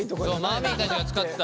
マミーたちが使ってた。